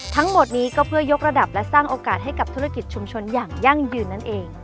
ทั้งหมดนี้ก็เพื่อยกระดับและสร้างโอกาสให้กับธุรกิจชุมชนอย่างยั่งยืนนั่นเอง